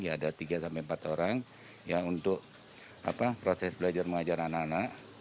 ada tiga sampai empat orang untuk proses belajar mengajar anak anak